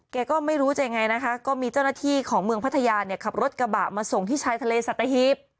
แกก็ไม่รู้จะยังไงนะคะก็มีเจ้าหน้าที่ของเมืองพัทยาเนี่ยขับรถกระบะมาส่งที่ชายทะเลสัตหีบ